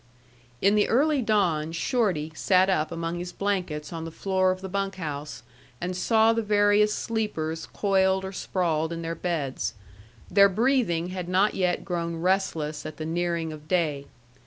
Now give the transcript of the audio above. In the early dawn Shorty sat up among his blankets on the floor of the bunk house and saw the various sleepers coiled or sprawled in their beds; their breathing had not yet grown restless at the nearing of day.